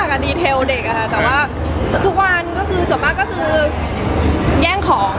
รูปร่างดีเทลเด็กค่ะแต่ว่าทุกวันจอบมากก็คือแย่งของ